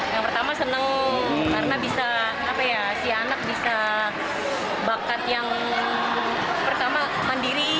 yang pertama senang karena bisa si anak bisa bakat yang pertama mandiri